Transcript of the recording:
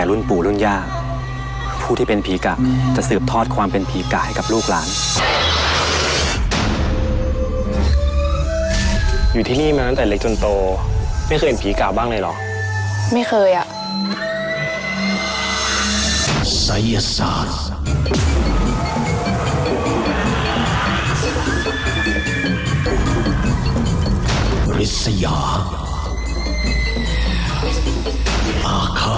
คุณเล่นกับกูแบบนี้เดี๋ยวคุณจะต้องรู้สึก